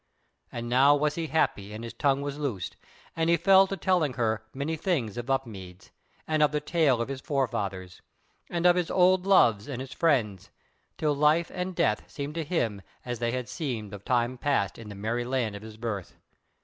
And now was he happy and his tongue was loosed, and he fell to telling her many things of Upmeads, and of the tale of his forefathers, and of his old loves and his friends, till life and death seemed to him as they had seemed of time past in the merry land of his birth.